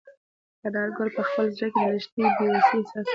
انارګل په خپل زړه کې د لښتې د بې وسۍ احساس وکړ.